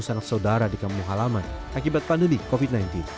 sanak saudara di kampung halaman akibat pandemi covid sembilan belas